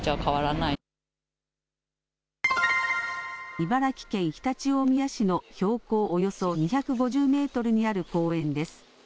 茨城県常陸大宮市の標高およそ２５０メートルにある公園です。